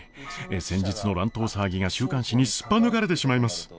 先日の乱闘騒ぎが週刊誌にすっぱ抜かれてしまいます。